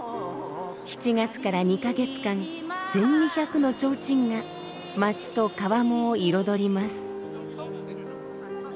７月から２か月間１，２００のちょうちんが街と川面を彩ります。